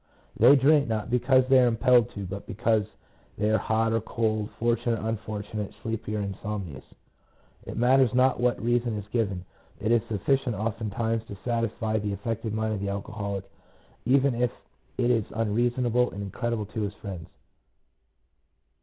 They drink, not because they are impelled to, but because they are hot or cold, fortunate or unfortunate, sleepy or insomnious: it matters not what reason is given, it is sufficient often times to satisfy the affected mind of the alcoholic, even if it is unreasonable and incredible to his friends.